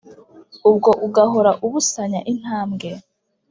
ubwo ugahora ubusanya intambwe